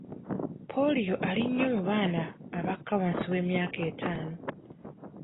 Ppooliyo ali nnyo mu baana abakka wansi w'emyaka ettaano.